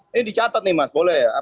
ini dicatat nih mas boleh ya